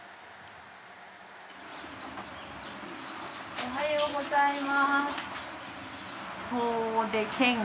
おはようございます。